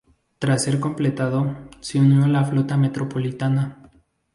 Tras ser completado, se unió a la flota metropolitana.